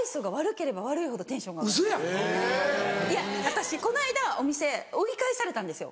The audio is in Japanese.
私この間お店追い返されたんですよ。